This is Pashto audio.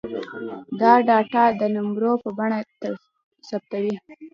دا ډاټا د نمبرونو په بڼه ثبتوي.